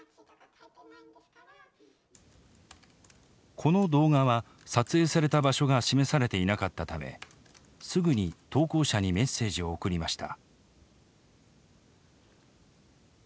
この動画は撮影された場所が示されていなかったためすぐに投稿者にメッセージを送りました。